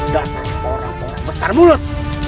dasar orang orang besar mulut